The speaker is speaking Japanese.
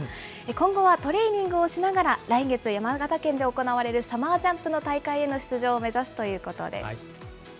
今後はトレーニングをしながら、来月山形で行われるサマージャンプの大会への出場を目指すということです。